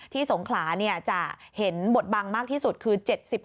สงขลาจะเห็นบทบังมากที่สุดคือ๗๖